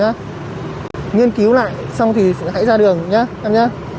nghiên cứu lại xong thì hãy ra đường nhé em nhé